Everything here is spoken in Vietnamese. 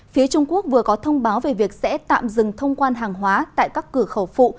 phía trung quốc vừa có thông báo về việc sẽ tạm dừng thông quan hàng hóa tại các cửa khẩu phụ